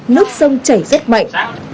nước sông chảy rất mạnh